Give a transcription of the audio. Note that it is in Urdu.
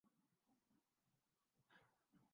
ٹام ناشتہ پکھا رہا ہے۔